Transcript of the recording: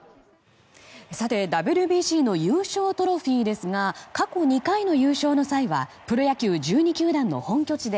ＷＢＣの優勝トロフィーですが過去２回の優勝の際はプロ野球１２球団の本拠地で